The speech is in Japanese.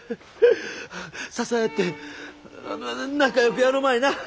支え合ってあ仲よくやろまいな！